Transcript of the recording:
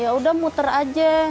ya udah muter aja